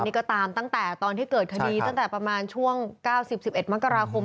นี่ก็ตามตั้งแต่ตอนที่เกิดคดีตั้งแต่ประมาณช่วง๙๐๑๑มกราคม